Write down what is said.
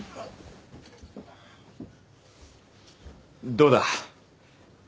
どうだ？